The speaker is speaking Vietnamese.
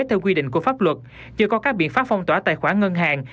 theo quy định của pháp luật chưa có các biện pháp phong tỏa tài khoản ngân hàng